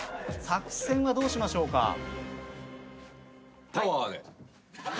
作戦はどうしましょうか？